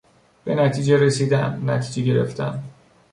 به نتیجه رسیدن، نتیجه گرفتن